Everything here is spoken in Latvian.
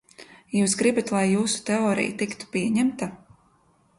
Jūs gribat, lai jūsu teorija tiktu pieņemta?